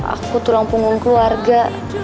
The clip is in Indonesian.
aku tulang punggung keluarga